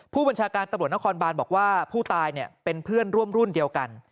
ผู้บัญชาการตำรวจนครบานบอกว่าผู้ตายเป็นเพื่อนร่วมรุ่นเดียวกัน